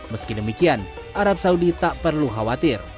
meski demikian arab saudi tak perlu khawatir